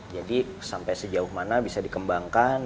jadi sampai sejauh mana bisa dikembangkan